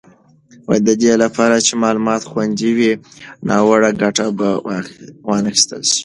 د دې لپاره چې معلومات خوندي وي، ناوړه ګټه به وانخیستل شي.